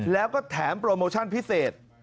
แล้วก็แถมโปรโมชั่นพิเศษ